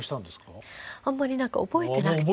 あんまり何か覚えてなくて。